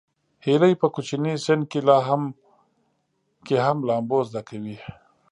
هیلۍ په کوچني سن کې هم لامبو زده کوي